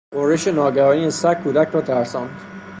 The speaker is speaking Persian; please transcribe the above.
غرش ناگهانی سگ کودک را ترساند.